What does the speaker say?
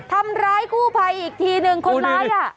ทำร้ายกู้ภัยอีกทีหนึ่งคนร้ายอ่ะ